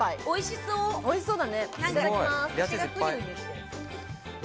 おいしそうだね。